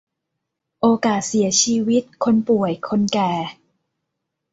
โอกาสเสียชีวิต คนป่วย คนแก่